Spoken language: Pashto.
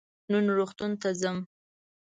نن روغتون ته ځم.